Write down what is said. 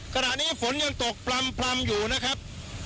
ขณะนี้ฝนยังตกปลำอยู่นะครับ